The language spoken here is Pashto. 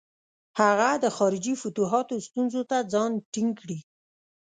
هغه د خارجي فتوحاتو ستونزو ته ځان ټینګ کړي.